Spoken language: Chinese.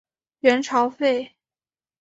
元朝废。